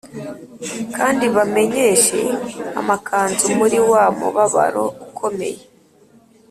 kandi bameshe amakanzu muri wa mubabaro ukomeye